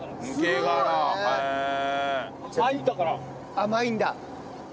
甘いんだ。